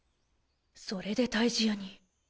それで退治屋に。